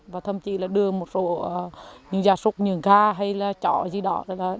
và thậm chí là đưa một số những gia sục những ga hay là chỏ gì đó